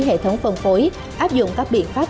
hệ thống phân phối áp dụng các biện pháp